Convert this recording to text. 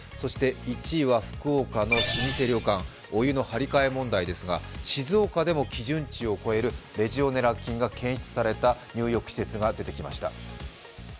１位は福岡の老舗旅館お湯の張り替え問題ですが、静岡でも基準値を超えるレジオネラ菌が検出された入浴施設が出てきました。